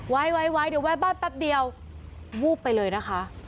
ไว้เดี๋ยวแวะบ้านแป๊บเดียววูบไปเลยนะคะ